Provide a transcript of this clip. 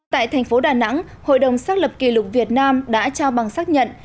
tại thành phố đà nẵng hội đồng xác lập kỷ lục việt nam đã trao bằng xác nhận